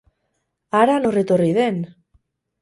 Hara nor etorri den!